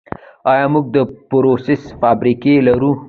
آیا موږ د پروسس فابریکې لرو؟